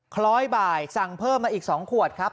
คล้อยบ่ายสั่งเพิ่มมาอีก๒ขวดครับ